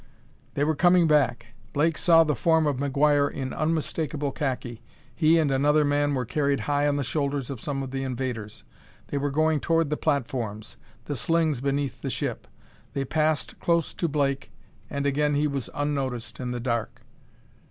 They were coming back: Blake saw the form of McGuire in unmistakable khaki. He and another man were carried high on the shoulders of some of the invaders. They were going toward the platforms, the slings beneath the ship.... They passed close to Blake, and again he was unnoticed in the dark.